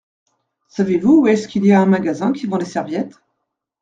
Savez-vous où est-ce qu’il y a un magasin qui vend des serviettes ?